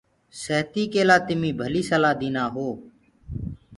سهتي ڪي لآ تمي ڀلي سلآه دينآ هو۔